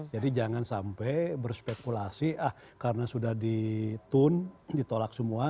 jadi jangan sampai berspekulasi ah karena sudah ditun ditolak semua